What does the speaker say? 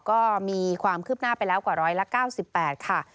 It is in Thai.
ก็มีความคืบหน้าไปแล้วกว่า๑๙๘ค่ะ